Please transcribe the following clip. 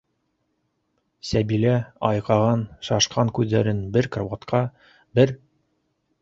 Сәбилә аҡайған, шашҡан күҙҙәрен бер карауатҡа, бер